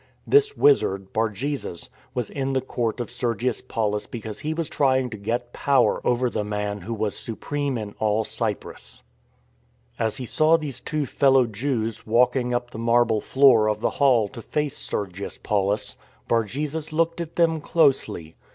This wizard, Bar jesus, was in the Court of Sergius Paulus because he was trying to get power over the man who was su preme in all Cyprus. THE ISLAND ADVENTURE 125 As he saw these two fellow Jews walking up the marble floor of the hall to face Sergius Paulus, Bar jesus looked at them closely.